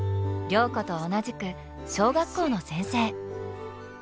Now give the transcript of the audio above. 良子と同じく小学校の先生。